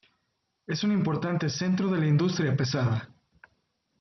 Es un importante centro de la industria pesada.